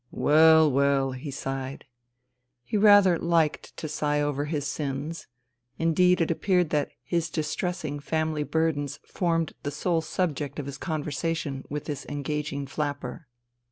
" Well, well !" he sighed. He rather liked to sigh over his sins ; indeed it appeared that his distressing family burdens formed the sole subject of his conversation with this engaging flapper.